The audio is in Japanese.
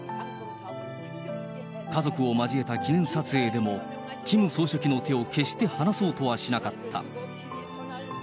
家族を交えた記念撮影でも、キム総書記の手を決して放そうとはしなかった。